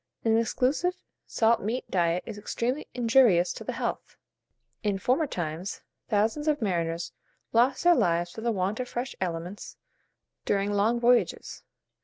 An exclusive salt meat diet is extremely injurious to the health; and, in former times, thousands of mariners lost their lives for the want of fresh aliments during long voyages.